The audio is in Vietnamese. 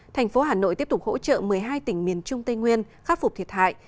thành phố hà nội tiếp tục hỗ trợ một mươi hai tỉnh miền trung tây nguyên khắc phục thiệt hại